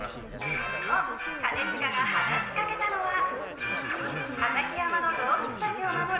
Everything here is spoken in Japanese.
［と兼近が話し掛けたのは旭山の動物たちを守る］